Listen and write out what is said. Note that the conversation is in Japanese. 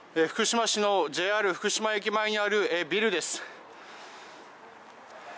福島市のＪＲ福島駅前にあるビルです。